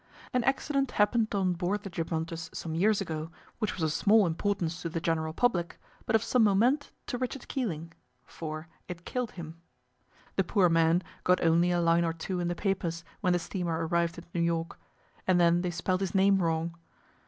An accident happened on board the Gibrontus some years ago which was of small importance to the general public, but of some moment to Richard Keeling—for it killed him. The poor man got only a line or two in the papers when the steamer arrived at New York, and then they spelled his name wrong.